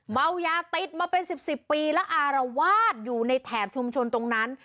เมายาติดมาเป็น๑๐ปีแล้วอารวาสอยู่ในแถบชุมชนตรงนั้น